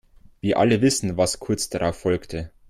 Wir alle wissen, was kurz darauf folgte.